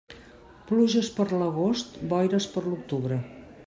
Pluges per l'agost, boires per l'octubre.